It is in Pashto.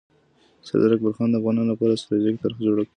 سردار اکبرخان د افغانانو لپاره د ستراتیژۍ طرحه جوړه کړه.